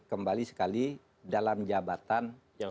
kembali sekali dalam jabatan